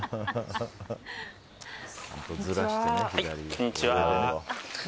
こんにちは。